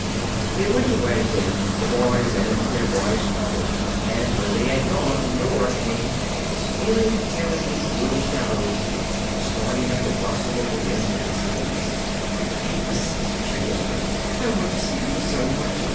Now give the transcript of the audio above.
They went away then, the boys and their boyish uncle; and when they had gone Nora came, stealing timidly through the shadows, starting at the rustle of the wind in the trees. "Oh, Avis," she whispered. "I want to see you so much!